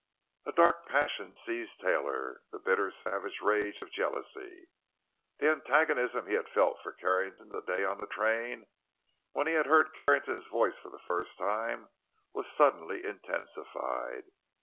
A dark passion seized Taylor—the bitter, savage rage of jealousy. The antagonism he had felt for Carrington that day on the train when he had heard Carrington's voice for the first time was suddenly intensified.